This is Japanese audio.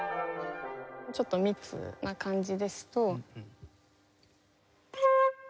ちょっと密な感じですと。